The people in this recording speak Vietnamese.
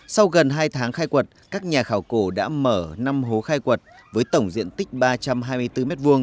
sau gần hai tháng khai quật các nhà khảo cổ đã mở năm hố khai quật với tổng diện tích ba trăm hai mươi bốn m hai